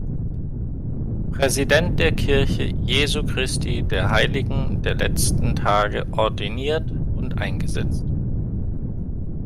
Präsident der Kirche Jesu Christi der Heiligen der Letzten Tage ordiniert und eingesetzt.